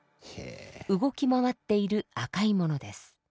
動き回っている赤いものです。